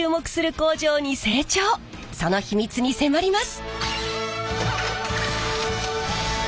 その秘密に迫ります！